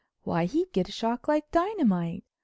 Why, he'd get a shock like dynamite!